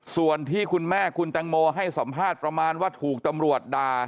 ส่วนที่คุณแม่คุณแตงโมให้สัมภาษณ์ประมาณว่าถูกตำรวจด่า